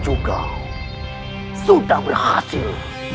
jumlahnya sudah berhasil